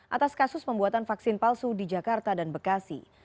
atas kasus pembuatan vaksin palsu di jakarta dan bekasi